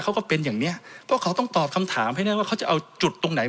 ก็เป็นอย่างเนี้ยเพราะเขาต้องตอบคำถามให้นั่นว่าเขาจะเอาจุดตรงไหน